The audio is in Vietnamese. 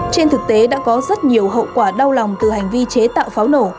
trên thực tế đã có rất nhiều hậu quả đau lòng từ hành vi chế tạo pháo nổ